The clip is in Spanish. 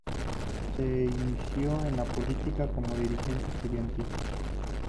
Se inició en la política como dirigente estudiantil.